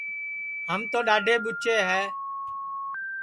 ہم تو ڈؔاڈھے ٻوچے